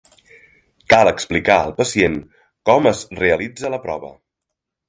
Cal explicar al pacient com es realitza la prova.